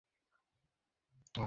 হয়তো তোর ফোনেও চলে গেছে।